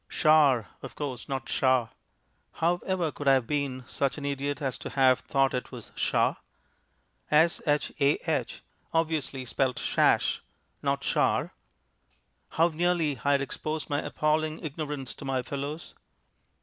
"Shar," of course, not "Shah." How ever could I have been such an idiot as to have thought it was "Shah"? S h a h obviously spelt shash, not shar. How nearly I had exposed my appalling ignorance to my fellows!